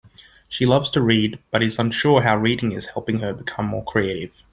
She loves to read, but is unsure how reading is helping her become more creative.